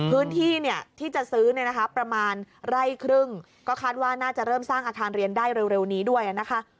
พื้นที่เนี่ยที่จะซื้อเนี่ยนะคะประมาณไร่ครึ่งก็คาดว่าน่าจะเริ่มสร้างอาคารเรียนได้เร็วนี้ด้วยนะคะ